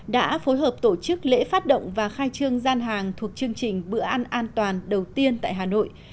đã phối hợp tổ chức lễ phát động và khai trương gian hàng thuộc chương trình bữa ăn an toàn đầu tiên tại hà nội